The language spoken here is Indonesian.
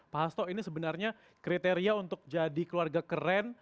pak hasto ini sebenarnya kriteria untuk jadi keluarga keren